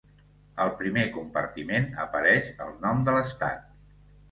Al primer compartiment apareix el nom de l'estat.